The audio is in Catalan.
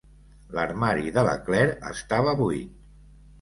L'armari de la Claire estava buit.